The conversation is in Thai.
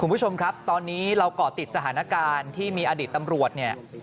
คุณผู้ชมครับตอนนี้เราก่อติดสถานการณ์ที่มีอดีตตำรวจเนี่ย